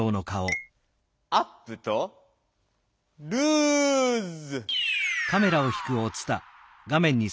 アップとルーズ！